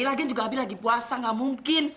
lagian juga abi lagi puasa ga mungkin